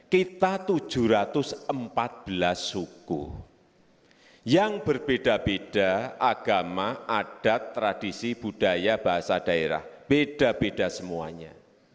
kita tujuh ratus empat belas suku yang berbeda beda agama adat tradisi budaya bahasa daerah beda beda semuanya